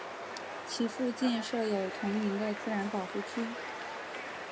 其附近设有同名的自然保护区。